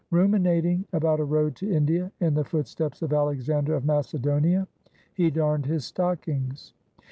Ruminating about a road to India in the footsteps of Alexander of Macedonia, he darned his stockings.